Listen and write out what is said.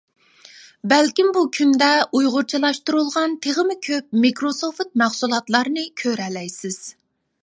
بەلكىم بۇ كۈندە ئۇيغۇرچىلاشتۇرۇلغان تېخىمۇ كۆپ مىكروسوفت مەھسۇلاتلارنى كۆرەلەيسىز.